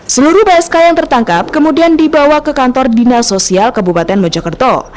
seluruh psk yang tertangkap kemudian dibawa ke kantor dinas sosial kabupaten mojokerto